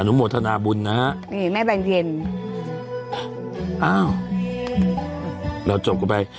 อนุโหมธนาบุญนะฮะนี่แม่แบงเคียนอ้าวแล้วจบกลัวไป